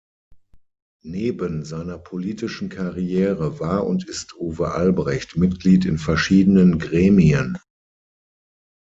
Neben seiner politischen Karriere war und ist Uwe Albrecht Mitglied in verschiedenen Gremien.